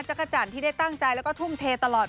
จักรจันทร์ที่ได้ตั้งใจและทุ่มเทตลอด